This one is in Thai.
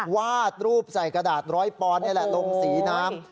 วาดรูปใส่กระดาษร้อยปอนด์นี่แหละลงสีน้ำ